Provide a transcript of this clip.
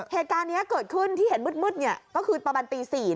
เหตุการณ์นี้เกิดขึ้นที่เห็นมืดก็คือประมาณตี๔